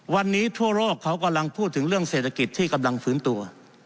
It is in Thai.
วันนี้ทั่วโลกเขากำลังพูดถึงเรื่องเศรษฐกิจที่กำลังฟื้นตัว